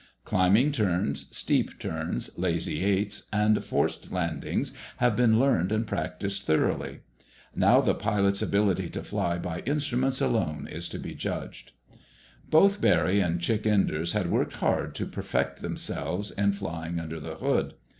Climbing turns, steep turns, "lazy eights," and forced landings have been learned and practiced thoroughly. Now the pilot's ability to fly by instruments alone is to be judged. Both Barry and Chick Enders had worked hard to perfect themselves in flying "under the hood."